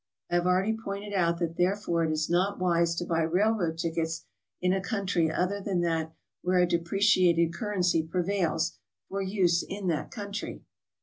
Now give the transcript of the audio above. I have already pointed out that therefore it is not wise to buy railroad tickets in a country other than that where a depreci ated currency prevails, for use in that country.